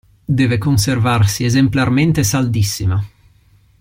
Deve conservarsi esemplarmente saldissima.